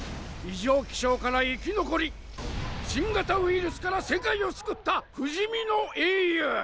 異常気象から生き残り新型ウイルスから世界を救った不死身の英雄！